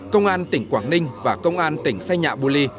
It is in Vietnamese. công an tỉnh quảng ninh và công an tỉnh sai nhạ bù li